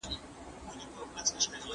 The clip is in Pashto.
د شيه اودس په تيز نه ماتېږي.